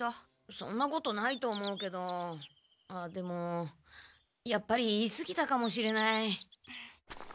そんなことないと思うけどああでもやっぱり言いすぎたかもしれない。